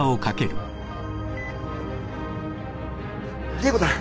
玲子さん。